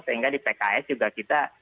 sehingga di pks juga kita